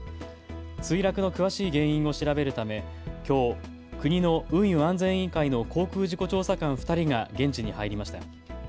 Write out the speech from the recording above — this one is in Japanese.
墜落の詳しい原因を調べるため、きょう、国の運輸安全委員会の航空事故調査官２人が現地に入りました。